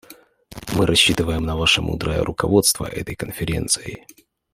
Мы рассчитываем на ваше мудрое руководство этой Конференцией.